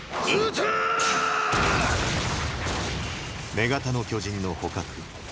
女型の巨人の捕獲。